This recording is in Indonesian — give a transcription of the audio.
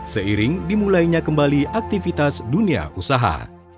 seiring dimulainya kembali aktivitas dunia usaha